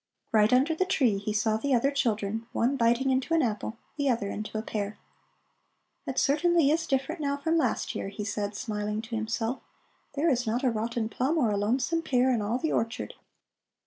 Right under the tree he saw the other children, one biting into an apple, the other into a pear. "It certainly is different now from last year," he said, smiling to himself. "There is not a rotten plum or a lonesome pear in all the orchard."